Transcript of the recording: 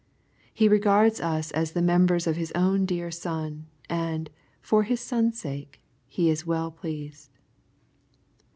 He regards us as the members of His own dear Son, and, for His Son's sake, He is well pleased.